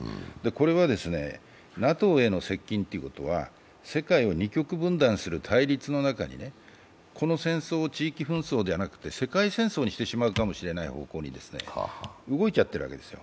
これはＮＡＴＯへの接近ということは世界を二極分断させる対立の中にこの戦争を地域紛争じゃなくて、世界戦争にしてしまうかもしれない方向に動いちゃってるわけですよ。